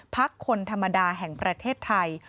คนธรรมดาแห่งประเทศไทย